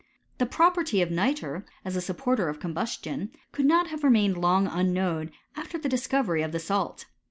The property of nitre, as a supporter of combustion, could not have remained long unknown after the dis covery of the salt.